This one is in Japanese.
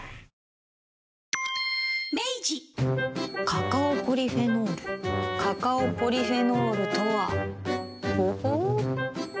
カカオポリフェノールカカオポリフェノールとはほほう。